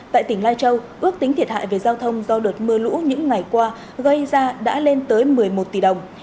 tại tỉnh lai châu ước tính thiệt hại về giao thông do đợt mưa lũ những ngày qua gây ra đã lên tới một mươi một tỷ đồng